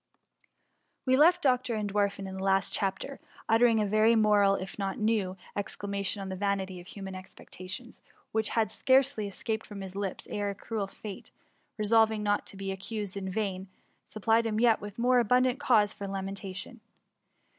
We left Dr. Entwerfen in the last chapter uttering a very moral, if not a very new, excla matipn on the vanity of human expectations; which had scarcely escaped from his lips, ere cruel Fate, resolving not to be accused in vain, supplied him with yet more abundant cause for lamentation.